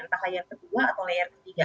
entah layer kedua atau layer ketiga